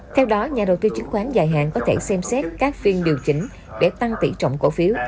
theo đó nhà đầu tư chứng khoán dài hạn có thể xem xét các phiên điều chỉnh để tăng tỷ trọng cổ phiếu